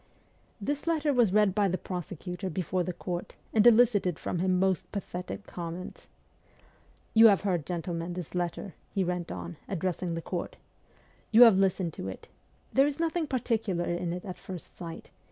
This letter was read by the prosecutor before the court, and elicited from him most pathetic comments :' You have heard, gentlemen, this letter ' he went on, addressing the court. ' You have listened to it. There is nothing particular in it at first sight.